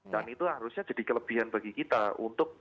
dan itu harusnya jadi kelebihan bagi kita untuk